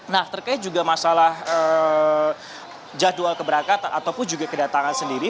nah terkait juga masalah jadwal keberangkatan ataupun juga kedatangan sendiri